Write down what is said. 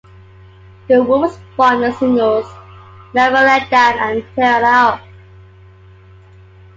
"The Wolf" spawned the singles "Never Let Down" and "Tear It Up".